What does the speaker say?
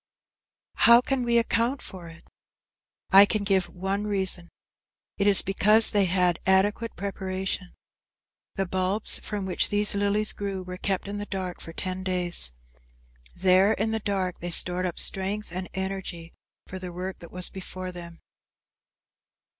I How can we account for it? I can give one reason. It is because they had adequate preparation. The bulbs from which these lilies grew were kept in the dark for ten days. There, in the dark, they stored up strength and energy for the work that was before them.